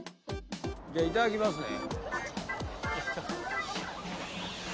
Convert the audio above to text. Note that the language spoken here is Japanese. じゃあいただきますね。